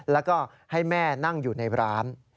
แล้วก็ให้แม่นั่งอยู่ในร้าน